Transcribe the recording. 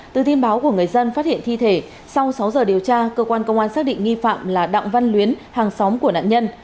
từ tin báo của người dân phát hiện thi thể sau sáu giờ điều tra cơ quan công an xác định nghi phạm là đặng văn luyến hàng xóm của nạn nhân